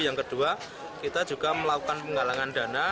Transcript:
yang kedua kita juga melakukan penggalangan dana